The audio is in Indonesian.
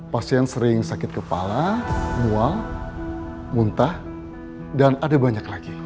pasien sering sakit kepala mual muntah dan ada banyak lagi